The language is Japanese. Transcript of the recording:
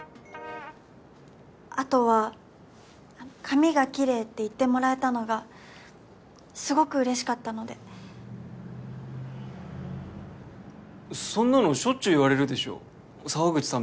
あとは「髪がきれい」って言ってもらえたのがすごくうれしかったのでそんなのしょっちゅう言われるでしょ沢口さん